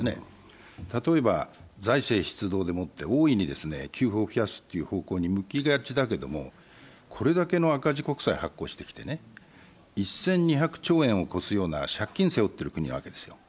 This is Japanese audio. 例えば財政出動でもって大いに給付を増やすという方向に向きがちだけれども、これだけの赤字国債を発行してきて１２００兆円を超すような借金を背負っている国なわけですよ。